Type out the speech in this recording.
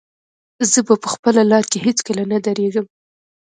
زه به په خپله لاره کې هېڅکله نه درېږم.